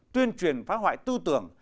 tuyên truyền phá hoại tư tưởng